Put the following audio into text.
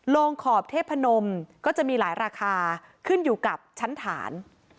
ลงขอบเทพนมก็จะมีหลายราคาขึ้นอยู่กับชั้นฐาน